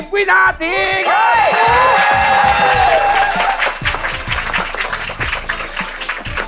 วินาทีครับ